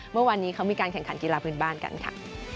เมื่อวานนี้เขามีการแข่งขันกีฬาพื้นบ้านกันค่ะ